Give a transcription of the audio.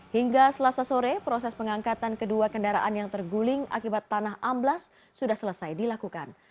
hingga selasa sore proses pengangkatan kedua kendaraan yang terguling akibat tanah amblas sudah selesai dilakukan